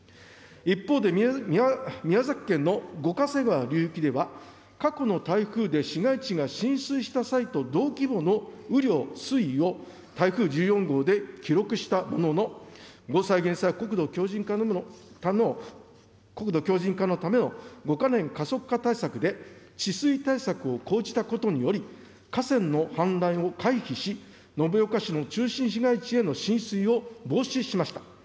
一方で、宮崎県の五ヶ瀬川流域では、過去に台風で市街地が浸水した際と同規模の雨量、水位を台風１４号で記録したものの、防災・減災、国土強靭化のための５か年加速化対策で、治水対策を講じたことにより、河川の氾濫を回避し、延岡市の中心市街地への浸水を防止しました。